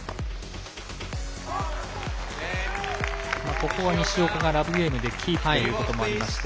ここは西岡がラブゲームでキープということもあって。